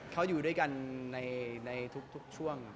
เขาอยู่ด้วยกันในทุกช่วง